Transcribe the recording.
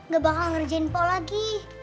gak bakal ngerjain paul lagi